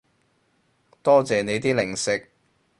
多謝你啲零食